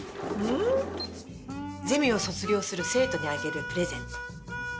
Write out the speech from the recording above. ん？ゼミを卒業する生徒にあげるプレゼント。